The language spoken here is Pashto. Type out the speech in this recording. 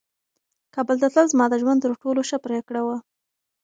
کابل ته تلل زما د ژوند تر ټولو ښه پرېکړه وه.